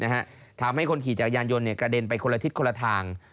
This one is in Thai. ทำให้คนขี่จักรยานยนต์กระเด็นไปคนละทิศคนละทาง